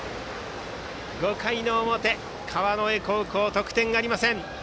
５回の表、川之江高校得点ありません。